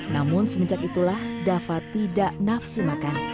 namun semenjak itulah dafa tidak nafsu makan